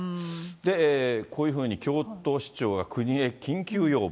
こういうふうに京都市長が国へ緊急要望。